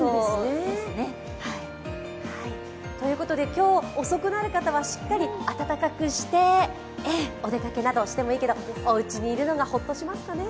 今日、遅くなる方はしっかり暖かくしてお出かけなどしてもいいけど、おうちにいるのがホッとしますかね。